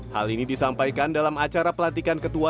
hal ini disampaikan dalam acara pelantikan ketua